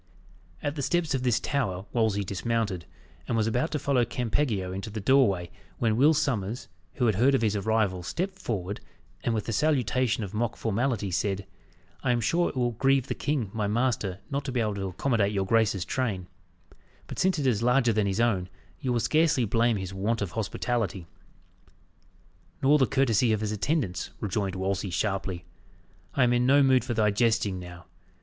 At the steps of this tower Wolsey dismounted, and was about to follow Campeggio into the doorway, when Will Sommers, who had heard of his arrival, stepped forward, and with a salutation of mock formality, said, "I am sure it will grieve the king, my master, not to be able to accommodate your grace's train; but since it is larger than his own, you will scarce blame his want of hospitality." "Nor the courtesy of his attendants," rejoined Wolsey sharply. "I am in no mood for thy jesting now.